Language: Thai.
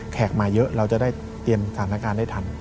มาเยอะเราจะได้เตรียมสถานการณ์ได้ทัน